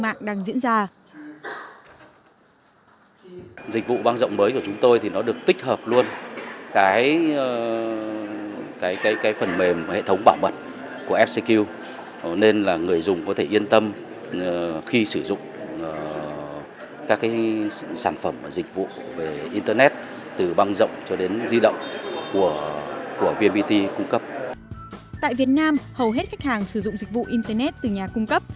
mạng đang diễn ra tại việt nam hầu hết khách hàng sử dụng dịch vụ internet từ nhà cung cấp